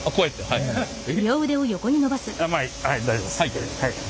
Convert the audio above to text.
はい大丈夫です。